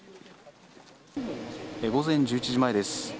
午前１１時前です。